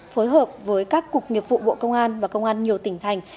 phối hợp với các cục nghiệp vụ bộ công an và công an nhiều tỉnh thành